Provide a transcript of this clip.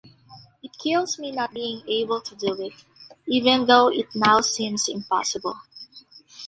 It kills me not being able to do it, even though it now seems impossible.